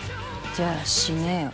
じゃあ死ねよ。